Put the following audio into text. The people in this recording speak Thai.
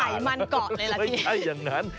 รับรองว่าไขมันเกาะเลยแหละที่อ่าไม่ใช่อย่างนั้น